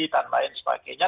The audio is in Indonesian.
dan lain sebagainya